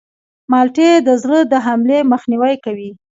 مالټې د زړه د حملې مخنیوی کوي.